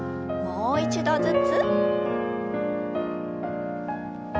もう一度ずつ。